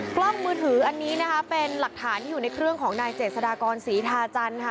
กล้องมือถืออันนี้นะคะเป็นหลักฐานที่อยู่ในเครื่องของนายเจษฎากรศรีทาจันทร์ค่ะ